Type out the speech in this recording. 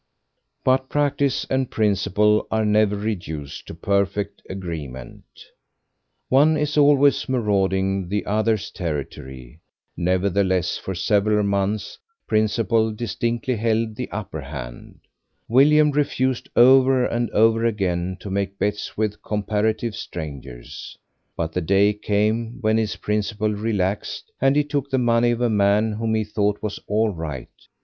But practice and principle are never reduced to perfect agreement. One is always marauding the other's territory; nevertheless for several months principle distinctly held the upper hand; William refused over and over again to make bets with comparative strangers, but the day came when his principle relaxed, and he took the money of a man whom he thought was all right.